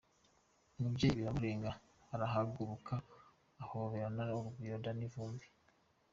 Umubyeyi biramurenga arahaguruka ahoberana urugwiro Danny Vumbi.